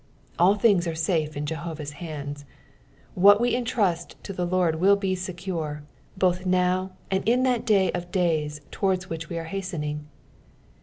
All things are safe in Jehovah's hands ; what we entrust to the Lord will be secure, tioth now and in fbst day of days towards which we are hastening.